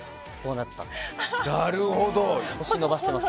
なるほど。